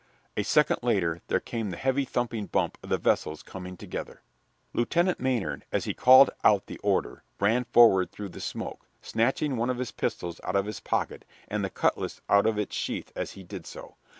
A second later there came the heavy, thumping bump of the vessels coming together. Lieutenant Maynard, as he called out the order, ran forward through the smoke, snatching one of his pistols out of his pocket and the cutlass out of its sheath as he did so.